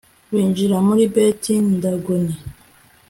binjira muri beti dagoni